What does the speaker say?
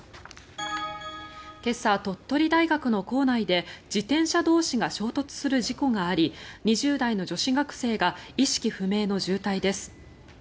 今朝、鳥取大学の構内で自転車同士が衝突する事故があり２０代の女子学生が意識不明の重体です。